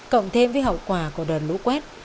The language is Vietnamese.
cộng thêm với hậu quả của đợt lũ quét